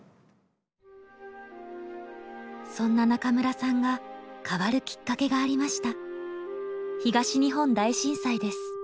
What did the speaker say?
そんな中村さんが変わるきっかけがありました。